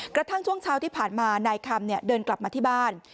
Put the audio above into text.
กระทั่งช่วงเช้าที่ผ่านมานายคำเดินกลับมาที่บ้าน